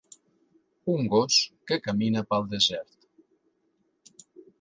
Un gos que camina pel desert.